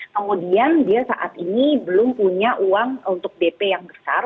kemudian dia saat ini belum punya uang untuk dp yang besar